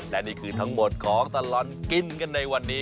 และนี่คือทั้งหมดของตลอดกินกันในวันนี้